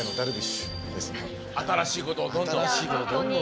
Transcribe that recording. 新しいことをどんどん。